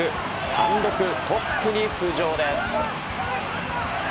単独トップに浮上です。